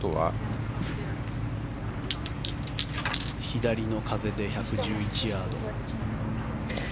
左の風で１１１ヤード。